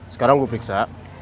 sekarang gue periksa